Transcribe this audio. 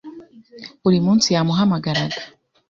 Buri munsi yamuhamagaraga.